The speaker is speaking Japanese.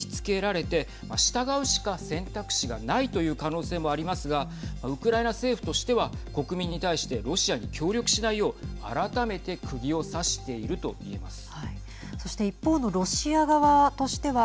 ロシア軍に銃を突きつけられて従うしか選択肢がないという可能性もありますがウクライナ政府としては国民に対してロシアに協力しないよう改めてくぎを刺していると言えます。